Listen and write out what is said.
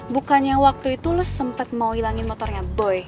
bukannya waktu itu lu sempet mau hilangin motornya boy